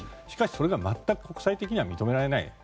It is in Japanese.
しかし、それが全く国際的には認められない。